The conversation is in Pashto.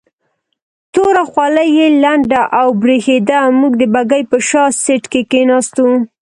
توره خولۍ یې لنده او برېښېده، موږ د بګۍ په شا سیټ کې کېناستو.